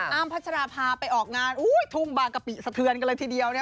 คุณอ้ามพัชราพาไปออกงานทุ่มบางกะปิสะเทือนกันเลยทีเดียวเนี่ย